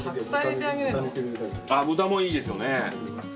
豚もいいですよね。